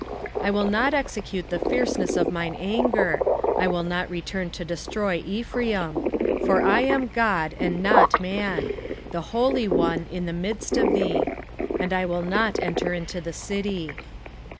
11:9 I will not execute the fierceness of mine anger, I will not return to destroy Ephraim: for I am God, and not man; the Holy One in the midst of thee: and I will not enter into the city.